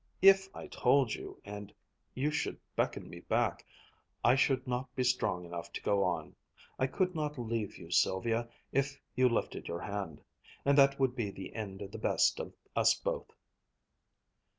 If I told you, and you should beckon me back, I should not be strong enough to go on. I could not leave you, Sylvia, if you lifted your hand. And that would be the end of the best of us both."